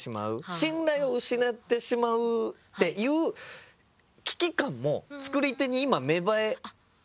信頼を失ってしまうっていう危機感も作り手に今芽生え始めてると思うんですよね。